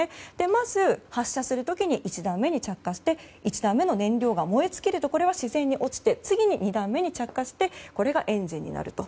まず、発射する時に１段目に着火して１段目の燃料が燃え尽きるとこれは自然に落ちて次に２段目に着火してこれがエンジンになると。